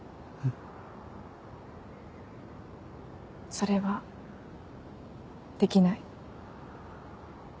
それはできない。